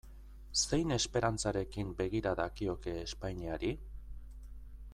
Zein esperantzarekin begira dakioke Espainiari?